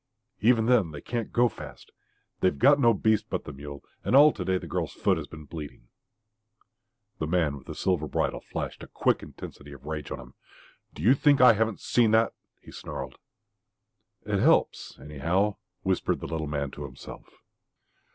"Even then they can't go fast. They've got no beast but the mule, and all to day the girl's foot has been bleeding " The man with the silver bridle flashed a quick intensity of rage on him. "Do you think I haven't seen that?" he snarled. "It helps, anyhow," whispered the little man to himself.